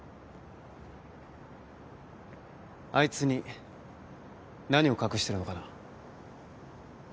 あいつに何を隠してるのかな？